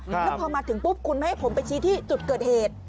แล้วพอมาถึงปุ๊บคุณไม่ให้ผมไปชี้ที่จุดเกิดเหตุ